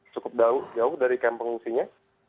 cukup jauh dari kamp pengungsinya